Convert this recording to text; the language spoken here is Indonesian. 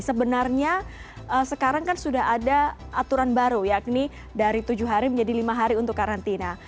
sebenarnya sekarang kan sudah ada aturan baru yakni dari tujuh hari menjadi lima hari untuk karantina